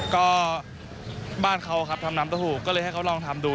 ก็บ้านเขาครับทำน้ำก็ถูกก็เลยให้เขาลองทำดู